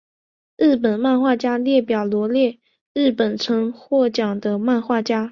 日本漫画家列表罗列日本曾获奖的漫画家。